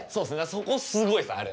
そこすごいっすあれ。